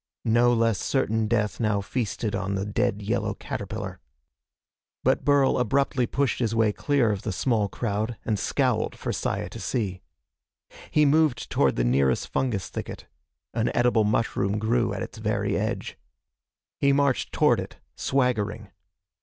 No less certain death now feasted on the dead yellow caterpillar. But Burl abruptly pushed his way clear of the small crowd and scowled for Saya to see. He moved toward the nearest fungus thicket. An edible mushroom grew at its very edge. He marched toward it, swaggering.